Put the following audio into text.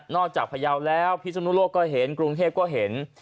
จากพยาวแล้วพิศนุโลกก็เห็นกรุงเทพก็เห็น